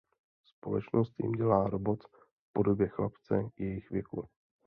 Společnost jim dělá robot v podobě chlapce jejich věku.